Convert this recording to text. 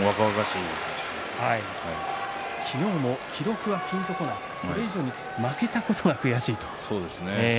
昨日も記録はピンとこないそれ以上に負けたことは悔しいと言っていました。